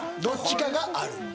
どっちかが「ある」